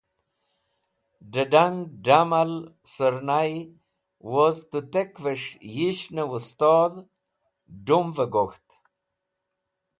D̃ẽdang, damal, sẽrnay, woz tẽtẽkves̃h yishnẽ weztodh/ dumvẽ gok̃ht.